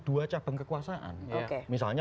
dua cabang kekuasaan misalnya